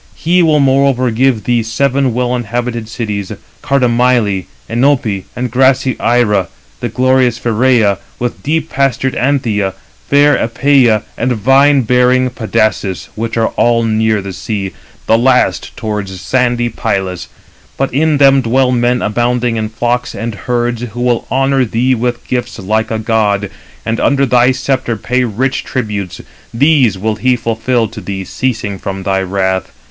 He will moreover give thee seven well inhabited cities,—Cardamyle, Enope, and grassy Ira, glorious Pheræ, with deep pastured Anthea, fair Æpeia, and vine bearing Pedasus; which are all near the sea, the last towards sandy Pylus. But in them dwell men abounding in flocks and herds, who will honour thee with gifts like a god, and under thy sceptre pay rich tributes. These will he fulfil to thee ceasing from thy wrath.